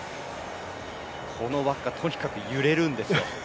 この輪っか、とにかく揺れるんですよ。